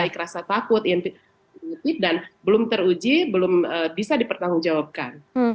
rasa takut dan belum teruji belum bisa dipertanggungjawabkan